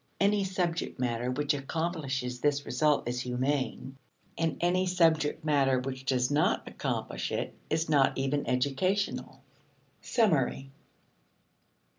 Any subject matter which accomplishes this result is humane, and any subject matter which does not accomplish it is not even educational. Summary.